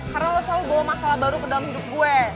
karena lo selalu bawa masalah baru ke dalam hidup gue